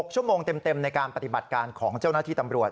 ๖ชั่วโมงเต็มในการปฏิบัติการของเจ้าหน้าที่ตำรวจ